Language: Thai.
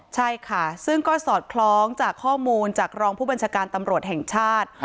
ใช่ค่ะซึ่งก็สอดคล้องจากข้อมูลจากรองผู้บัญชาการตำรวจแห่งชาติ